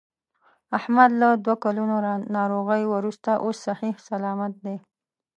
احمد له دوه کلونو ناروغۍ ورسته اوس صحیح صلامت دی.